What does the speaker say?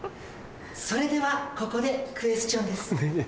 それではここでクエスチョンです。